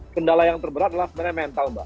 kendala yang terberat adalah sebenarnya mental mbak